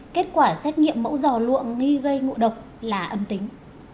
kết quả xét nghiệm mẫu dò luộng gây ngộ độc là âm tính